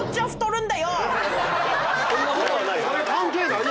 そんなことはない。